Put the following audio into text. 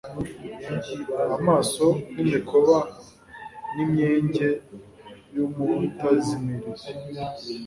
Amaso n'imikoba n' Imyenge y'umutamirizo